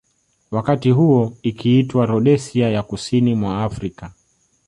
Wakati huo ikiitwa Rhodesia ya kusini mwa Afrika